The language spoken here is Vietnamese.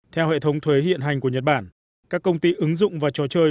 theo hệ thống thuế hiện hành của nhật bản các công ty ứng dụng và trò chơi